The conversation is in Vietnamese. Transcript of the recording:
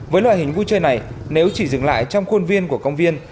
với loại hình vui chơi này nếu chỉ dừng lại trong khuôn viên của công viên